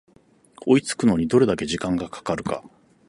追いつくのにどれだけ時間がかかるか